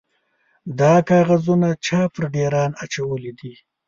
_دا کاغذونه چا پر ډېران اچولي دي؟